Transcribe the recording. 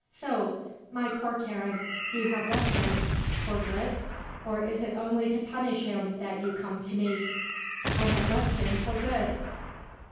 So. My poor Karen. You have left him. For good? Or is it only to punish him that you come to me?" "I have left him for good."